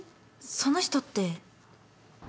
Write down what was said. その人って？